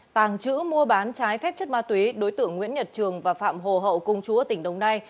tàng trữ mua bán trái phép chất ma túy đối tượng nguyễn nhật trường và phạm hồ hậu cung chú ở tỉnh đồng nai